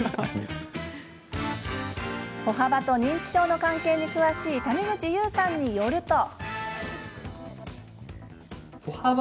歩幅と認知症の関係に詳しい谷口優さんによると。